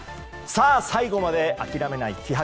最後まで諦めない気迫。